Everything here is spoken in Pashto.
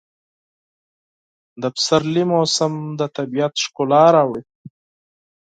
د پسرلي موسم د طبیعت ښکلا راوړي.